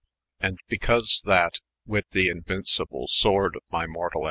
23 And bicanse tliat — with the inumcible sworde of my mortal!